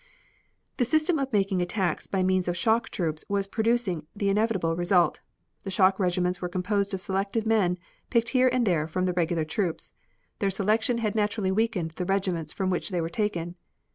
The system of making attacks by means of shock troops was producing the inevitable result. The shock regiments were composed of selected men, picked here and there, from the regular troops. Their selection had naturally weakened the regiments from which they were taken.